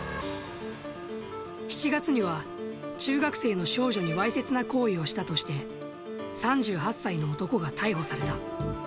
７月には、中学生の少女にわいせつな行為をしたとして、３８歳の男が逮捕された。